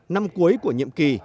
năm cuối của nhiệm kỳ